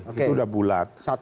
itu sudah bulat